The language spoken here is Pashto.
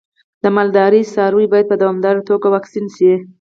د مالدارۍ څاروی باید په دوامداره توګه واکسین شي.